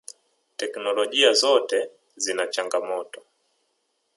Technolojia zote zina changamoto.